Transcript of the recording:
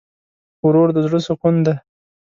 ورور د زړه سکون دی.